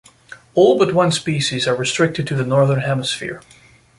All but one species are restricted to the Northern Hemisphere.